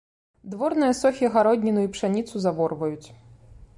Дворныя сохі гародніну і пшаніцу заворваюць!